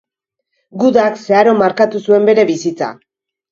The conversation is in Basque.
Gudak zeharo markatu zuen bere bizitza.